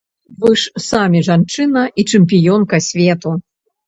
Вы ж самі жанчына і чэмпіёнка свету.